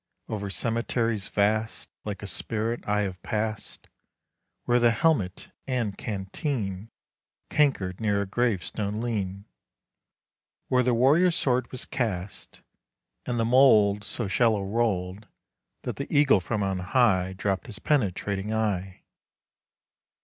Over cemeteries vast, Like a spirit I have passed, Where the helmet and canteen Cankered near a grave stone lean, Where the warrior's sword was cast; And the mould, So shallow rolled, That the eagle from on high Dropped his penetrating eye.